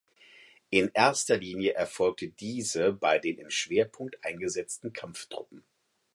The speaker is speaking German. In erster Linie erfolgte diese bei den im Schwerpunkt eingesetzten Kampftruppen.